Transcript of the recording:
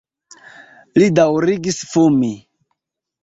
Li daŭrigis fumi.